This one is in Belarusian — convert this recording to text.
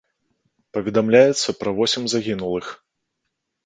Паведамляецца пра восем загінулых.